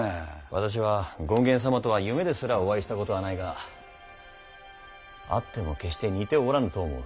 私は権現様とは夢ですらお会いしたことはないが会っても決して似ておらぬと思う。